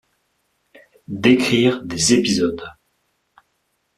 D’écrire des épisodes.